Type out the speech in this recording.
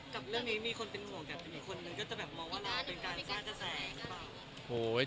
กับเรื่องนี้มีคนเป็นห่วงกับอีกคนนึงก็จะแบบมองว่าเราเป็นการสร้างกระแสหรือเปล่า